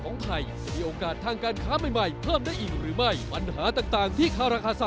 นี่คือมติพัก